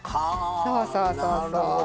そうそうそうそう。